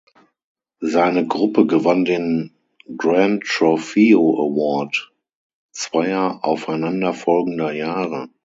Seine Gruppe gewann den "Gran Trofeo Award" zweier aufeinanderfolgender Jahre.